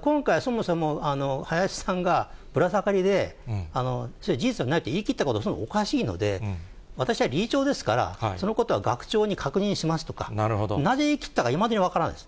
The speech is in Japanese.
今回、そもそも林さんがぶら下がりで事実はないと言い切ったこと、おかしいので、私は理事長ですから、そのことは学長に確認しますとか、なぜ言い切ったのか、いまだに分からないです。